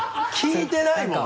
聞いてないもん